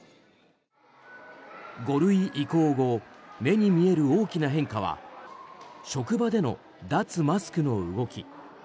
５類移行後目に見える大きな変化は職場での脱マスクの動き。